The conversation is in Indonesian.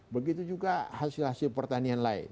begitu juga hasil hasil pertanian lain